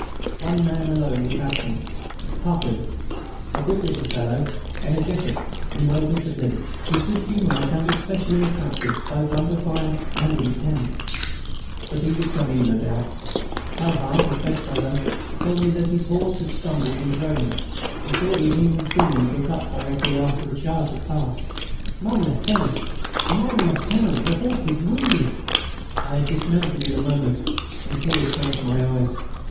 One man alone was absent; Paquin, a good little fellow, energetic and well disciplined, whose good humour I found especially attractive both under fire and in camp. But he would come in, no doubt. Cahard, his bed fellow, told me that his horse had stumbled and thrown him. He thought he had even seen him get up again directly the charge had passed. "Mon Lieutenant, ... mon Lieutenant, your horse is wounded." I had dismounted in a moment, and tears came to my eyes.